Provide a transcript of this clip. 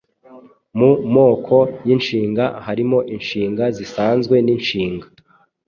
Mu moko y’inshinga harimo inshinga zisanzwe n’inshinga